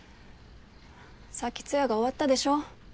さっき通夜が終わったでしょ。